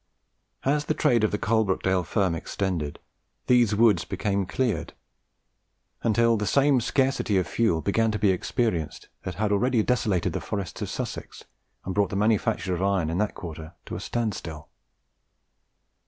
As the trade of the Coalbrookdale firm extended, these woods became cleared, until the same scarcity of fuel began to be experienced that had already desolated the forests of Sussex, and brought the manufacture of iron in that quarter to a stand still.